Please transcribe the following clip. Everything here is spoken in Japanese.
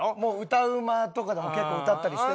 歌うまとかでも結構歌ったりしてるわ。